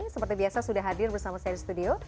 seperti biasa sudah hadir bersama saya di studio